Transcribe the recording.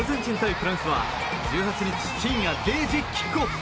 フランスは１８日深夜０時キックオフ。